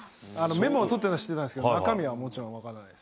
メモを取ってたのは知ってたんですけど、中身はもちろん知らなかったです。